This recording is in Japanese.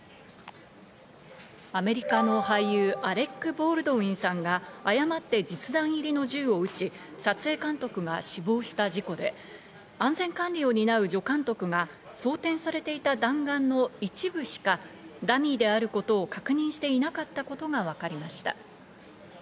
アメリカの俳優、アレック・ボールドウィンさんが誤って実弾入りの銃を撃ち、撮影監督が死亡した事故で、安全管理を担う助監督が装填されていた弾丸の一部しかダミーであることを確認していなかったことがわかりました。